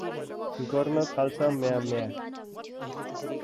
गर्न थाल्छ म्याँ–म्याँ ।